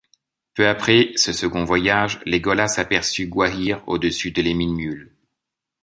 Peu après ce second voyage, Legolas aperçut Gwaihir au-dessus de l'Emyn Muil.